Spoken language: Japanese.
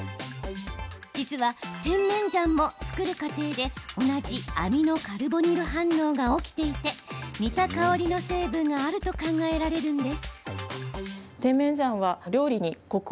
実は甜麺醤も作る過程で同じアミノカルボニル反応が起きていて、似た香りの成分があると考えられるんです。